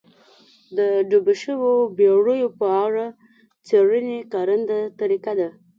د ډوبو شویو بېړیو په اړه څېړنې کارنده طریقه ده.